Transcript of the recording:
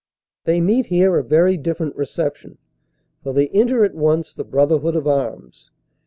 They meet here a very different reception, for they enter at once the brotherhood of arms.